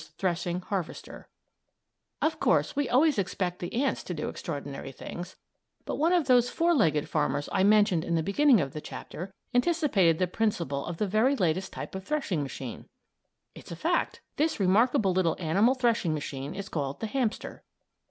HAMSTER'S THRESHING HARVESTER Of course, we always expect the ants to do extraordinary things, but one of those four legged farmers I mentioned in the beginning of the chapter anticipated the principle of the very latest type of threshing machine. It's a fact. This remarkable little animal threshing machine is called the hamster.